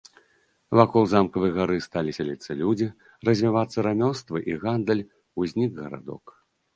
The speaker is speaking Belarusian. Вакол замкавай гары сталі сяліцца людзі, развівацца рамёствы і гандаль, узнік гарадок.